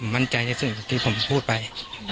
มั่นใจในสิ่งที่ผมพูดไป